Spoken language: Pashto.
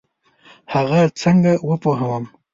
هغه څنګه وپوهوم؟